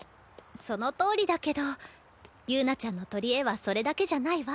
そのとおりだけど友奈ちゃんの取り柄はそれだけじゃないわ。